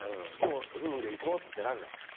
夫婦で行こうってなんないの？